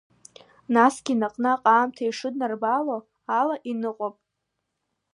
Насгьы наҟнаҟ аамҭа ишыднарбо ала иныҟәап.